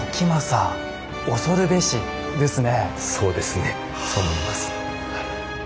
そうですねそう思います。